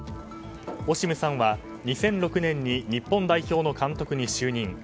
オシムさんは、２００６年に日本代表の監督に就任。